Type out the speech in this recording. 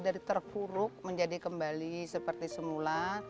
dari terpuruk menjadi kembali seperti semula